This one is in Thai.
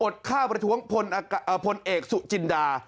อดฆ่าประท้วงพลเอกสุจินดา